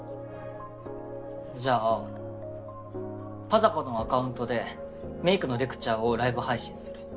じゃあ「ｐａｚａｐａ」のアカウントでメイクのレクチャーをライブ配信する。